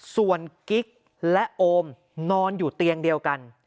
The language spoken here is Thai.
ส่วนกิ๊กและโอมนอนอยู่เตียงเดียวกัน